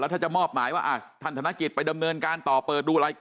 ถ้ามอบหมายการท่านธนาคิตไปดำเนินต่อเปิดดูอะไร